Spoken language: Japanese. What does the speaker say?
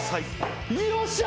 よっしゃ！